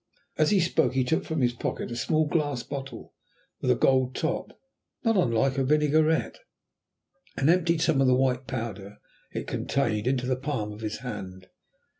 "] As he spoke he took from his pocket a small glass bottle with a gold top, not unlike a vinaigrette, and emptied some of the white powder it contained into the palm of his hand.